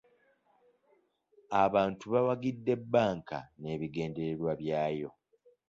Abantu bawagidde bbanka n'ebigendererwa byayo .